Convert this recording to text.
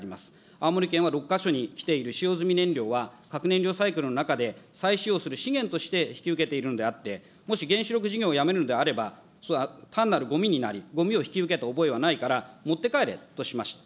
青森県は六ヶ所にきている使用済み燃料は、核燃料サイクルの中で再使用する資源としてするのであって、もし原子力事業をやめるのであれば単なるごみになり、ごみを引き受けた覚えはないから、持って帰れとしました。